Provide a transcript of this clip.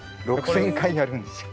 ６，０００回やるんですよ。